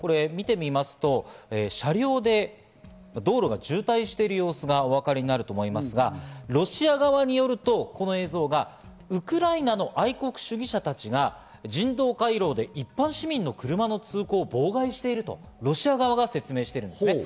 見てみますと、車両で道路が渋滞している様子がわかると思いますが、ロシア側によるとこの映像がウクライナの愛国主義者たちが人道回廊で一般市民の車の通行を妨害しているとロシア側が説明しているんです。